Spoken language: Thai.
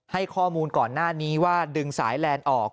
ให้ข้อมูลก่อนหน้านี้ว่าดึงสายแลนด์ออก